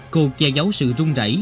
cô che giấu sự rung rảy